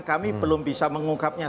kami belum bisa mengungkapnya